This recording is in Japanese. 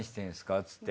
っつって。